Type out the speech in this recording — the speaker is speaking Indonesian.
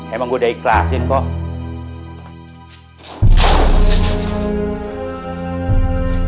emang gue udah ikhlasin kok